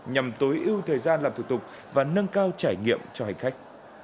nhằm tối ưu thời gian làm thủ tục và nâng cao trải nghiệm cho hành khách